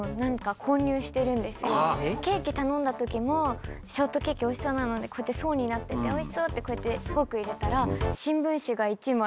ケーキ頼んだ時も「ショートケーキおいしそうこうやって層になってておいしそう」ってこうやってフォーク入れたら。